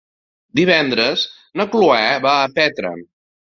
Divendres na Cloè va a Petra.